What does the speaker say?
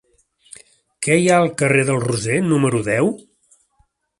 Què hi ha al carrer del Roser número deu?